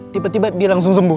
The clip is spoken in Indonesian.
tiba tiba dia langsung sembuh